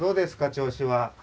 調子は。